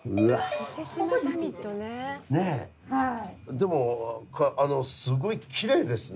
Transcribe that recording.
でもすごい奇麗ですね。